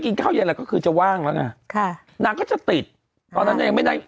กินข้าวเย็นอะไรก็คือจะว่างแล้วไงค่ะนางก็จะติดตอนนั้นนางยังไม่ได้